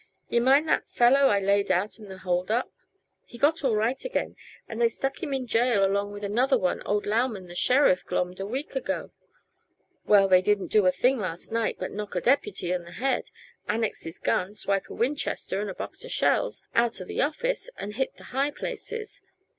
"Yuh mind the fellow I laid out in the hold up? He got all right again, and they stuck him in jail along with another one old Lauman, the sheriff, glommed a week ago. Well, they didn't do a thing last night but knock a deputy in the head, annex his gun, swipe a Winchester and a box uh shells out uh the office and hit the high places.